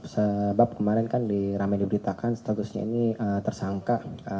sebab kemarin kan diramai diberitakan statusnya ini tersangka